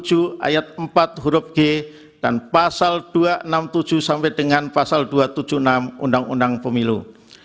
tidak lain karena juru kampanye pasal satu enam puluh tujuh ayat empat huruf g dan pasal dua enam puluh tujuh sampai dengan pasal dua tujuh puluh enam undang undang pemilu